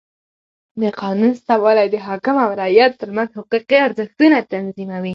د قانون سته والى د حاکم او رعیت ترمنځ حقوقي ارزښتونه تنظیموي.